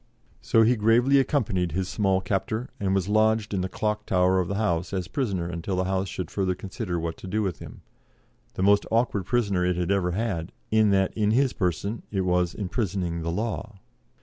So he gravely accompanied his small captor, and was lodged in the Clock Tower of the House as prisoner until the House should further consider what to do with him the most awkward prisoner it had ever had, in that in his person it was imprisoning the law.